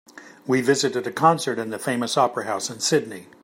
We visited a concert in the famous opera house in Sydney.